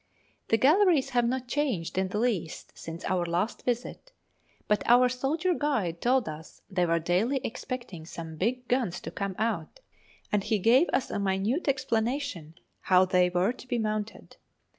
The galleries have not changed in the least since our last visit, but our soldier guide told us they were daily expecting some big guns to come out, and he gave us a minute explanation how they were to be mounted.